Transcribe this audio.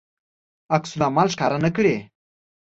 عکس العمل ښکاره نه کړي.